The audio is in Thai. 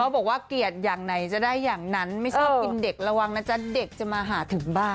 บอกว่าเกียรติอย่างไหนจะได้อย่างนั้นไม่ชอบกินเด็กระวังนะจ๊ะเด็กจะมาหาถึงบ้าน